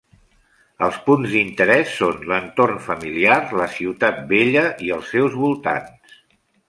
Els punts d'interès són l'entorn familiar, la ciutat vella i els seus voltants.